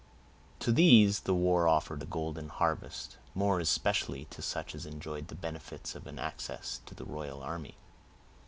To these the war offered a golden harvest, more especially to such as enjoyed the benefits of an access to the royal army.